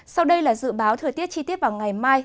sau đây là dự báo thời tiết chi tiết vào ngày mai